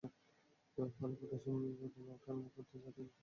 ফলে ভাটার সময় বোটে ওঠানামা করতে যাত্রীদের কাদা মাটি পাড়ি দিতে হচ্ছে।